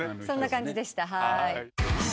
そんな感じでした。